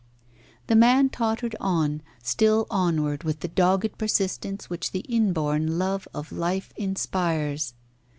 The man tottered on, still onward with the dogged persistence which the inborn love of life inspires.